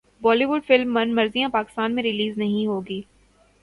بولی would film Manmarziyaan Pakistan میں release نہیں ہوگی